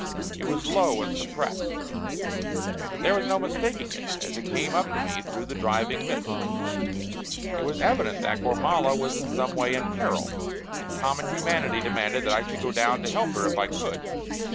It was low and suppressed, but there was no mistaking it as it came up to me through the driving mist. It was evident that Gormala was in some way in peril, and common humanity demanded that I should go down to help her if I could.